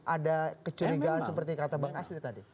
ada kecurigaan seperti kata bang asri tadi